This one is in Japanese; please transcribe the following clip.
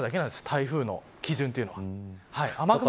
台風の基準というのは。